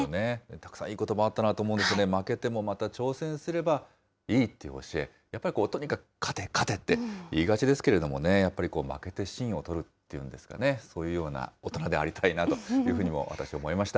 たくさんいいことばあったなと思うんですけどね、負けてもまた挑戦すればいいって教え、やっぱりとにかく勝て、勝てって、言いがちですけれどもね、やっぱり負けてしんをとるっていうんですかね、そういうような大人でありたいなというふうにも私思いました。